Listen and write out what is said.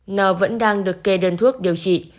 n vẫn đang được kê đơn thuốc điều trị